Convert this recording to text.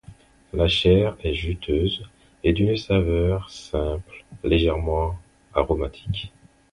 La chair est juteuse et d'une saveur simple légèrement aromatique.